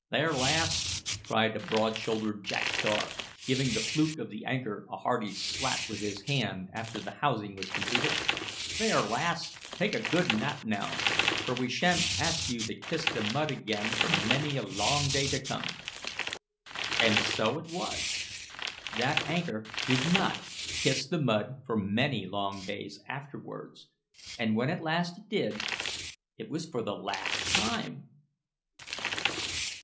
"There, lass!" cried a broad shouldered jack tar, giving the fluke of the anchor a hearty slap with his hand after the housing was completed "there, lass, take a good nap now, for we sha'n't ask you to kiss the mud again for many a long day to come!" And so it was. That anchor did not "kiss the mud" for many long days afterwards; and when at last it did, it was for the last time!